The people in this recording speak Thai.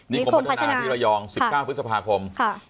นิคมพัฒนานิคมพัฒนาที่ระยอง๑๙พฤษภาคมค่ะ